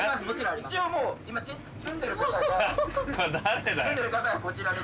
一応もう今住んでる方がこれ誰だよ？